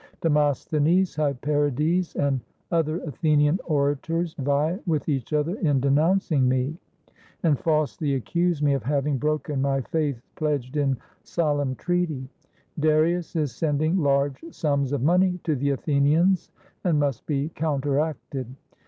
Demosthenes, Hypereides, and other Athenian orators vie with each other in denounc ing me, and falsely accuse me of having broken my faith pledged in solemn treaty. Darius is sending large sums of money to the Athenians and must be counter acted.